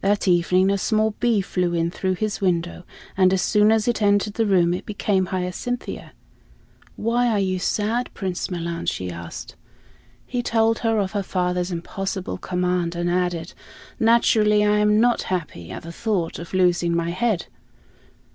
That evening a small bee flew in through his window, and as soon as it entered the room it became Hyacinthia. "Why are you sad, Prince Milan?" she asked. He told her of her father's impossible command and added, "Naturally, I am not happy at the thought of losing my head."